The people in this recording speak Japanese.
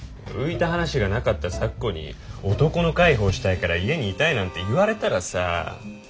浮いた話がなかった咲子に男の介抱したいから家にいたいなんて言われたらさ。